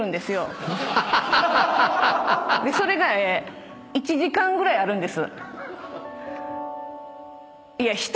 それが１時間ぐらいあるんです。